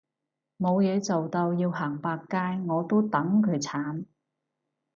冇嘢做到要行百佳我都戥佢慘